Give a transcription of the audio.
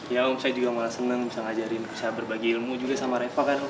ya om saya juga malah seneng bisa ngajarin berbagai ilmu juga sama reva kan om